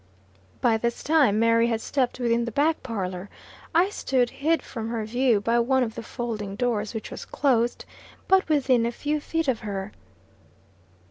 By this time Mary had stepped within the back parlor. I stood, hid from her view, by one of the folding doors, which was closed, but within a few feet of her.